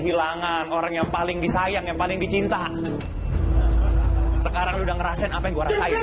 tika bukan sonra aku menemukan p claws tau kapan kali ini bukanku menangis